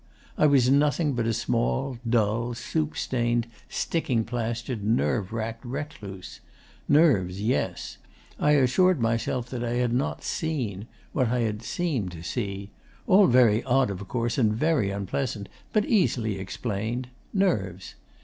I was nothing but a small, dull, soup stained, sticking plastered, nerve racked recluse. Nerves, yes. I assured myself that I had not seen what I had seemed to see. All very odd, of course, and very unpleasant, but easily explained. Nerves.